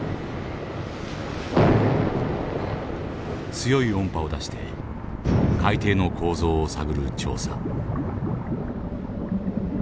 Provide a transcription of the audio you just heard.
強い音波を出して海底の構造を探る調査。